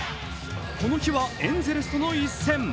この日はエンゼルスとの一戦。